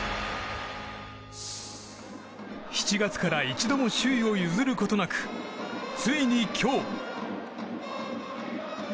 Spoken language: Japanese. ７月から一度も首位を譲ることなく、ついに今日。